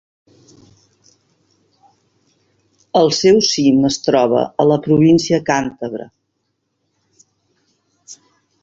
El seu cim es troba a la província càntabra.